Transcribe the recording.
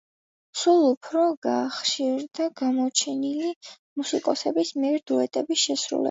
სულ უფრო გახშირდა გამოჩენილი მუსიკოსების მიერ დუეტების შესრულება.